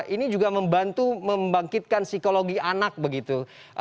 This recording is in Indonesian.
ini juga membantu membangkitkan psikologi anak begitu